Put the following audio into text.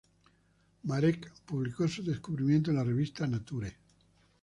Marek publicó su descubrimiento en la revista "Nature".